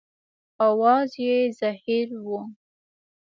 اواز یې زهیر و.